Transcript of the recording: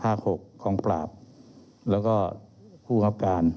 เรามีการปิดบันทึกจับกลุ่มเขาหรือหลังเกิดเหตุแล้วเนี่ย